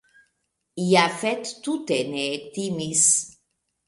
Jafet tute ne ektimis.